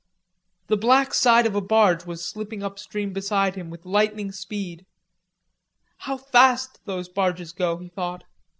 The black side of a barge was slipping up stream beside him with lightning speed. How fast those barges go, he thought.